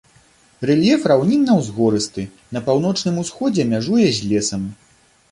Рэльеф раўнінна-ўзгорысты, на паўночным усходзе мяжуе з лесам.